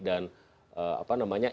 dan apa namanya